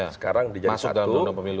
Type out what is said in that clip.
sekarang jadi satu undang undang pemilu